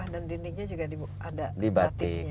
dan dindingnya juga ada di batik